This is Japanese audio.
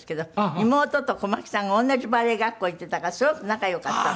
妹と小巻さんが同じバレエ学校行っていたからすごく仲良かったの。